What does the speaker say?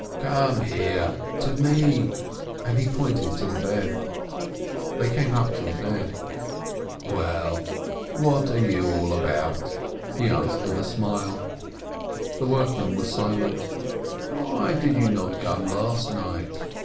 "Come here, to me !" and he pointed to the bed. They came up to the bed. "Well, what are you all about?" he asked with a smile. The workmen were silent. "Why did you not come last night?"